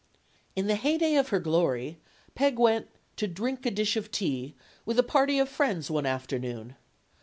In the heyday of her glory, Peg went "to drink a dish of tea" with a party of friends one afternoon.